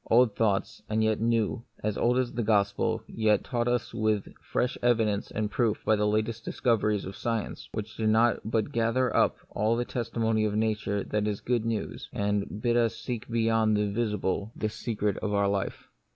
Old thoughts, and yet new , as old as the gospel, yet taught us with fresh evidence and proof by the last discov eries of science, which do but gather up the testimony of Nature to that good news, and bid us seek beyond the visible the secret of our life.